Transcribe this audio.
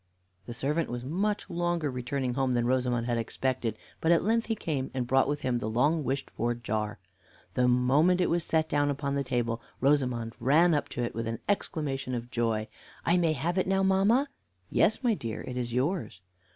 The servant was much longer returning home than Rosamond had expected; but at length he came, and brought with him the long wished for jar. The moment it was set down upon the table, Rosamond ran up to it with an exclamation of joy: "I may have it now, mamma?" "Yes, my dear, it is yours."